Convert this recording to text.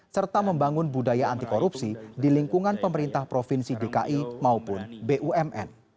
serta membangun budaya anti korupsi di lingkungan pemerintah provinsi dki maupun bumn